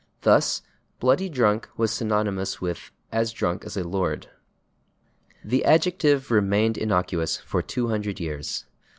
Thus, /bloody drunk/ was synonymous with as /drunk as a lord/. The adjective remained innocuous for 200 years.